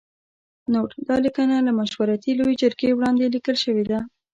نوټ: دا لیکنه له مشورتي لویې جرګې وړاندې لیکل شوې ده.